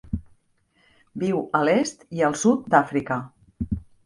Viu a l'est i el sud d'Àfrica.